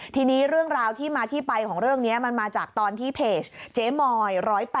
ทีนี้เรื่องราวที่มาที่ไปของเรื่องนี้มันมาจากตอนที่เพจเจ๊มอย๑๐๘